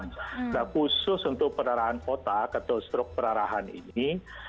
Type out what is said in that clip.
nah khusus untuk pendarahan otak atau struk pendarahan ini